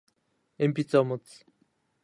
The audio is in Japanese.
鉛筆を持つ